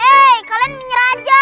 hei kalian menyera aja